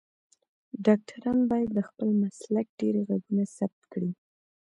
ډاکټران باید د خپل مسلک ډیر غږونه ثبت کړی